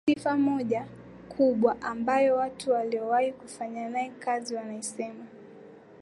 Sifa moja kubwa ambayo watu waliowahi kufanya naye kazi wanaisema